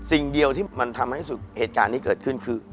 สิ่งเดียวที่มันทำให้สุดเหตุการณ์ที่เกิดขึ้นคือ